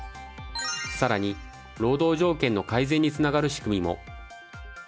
さらに、労働条件の改善につながる仕組みも。